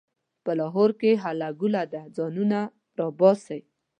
په لاهور کې هله ګوله ده؛ ځانونه راباسئ.